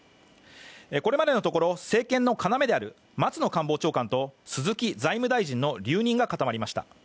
これまでのところ政権の要である松野官房長官と鈴木財務大臣の留任が固まりました。